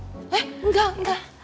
eh enggak enggak